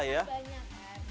tak banyak kan